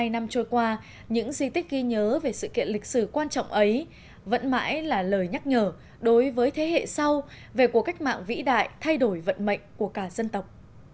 bốn mươi năm trôi qua những di tích ghi nhớ về sự kiện lịch sử quan trọng ấy vẫn mãi là lời nhắc nhở đối với thế hệ sau về cuộc cách mạng vĩ đại thay đổi vận mệnh của cả dân tộc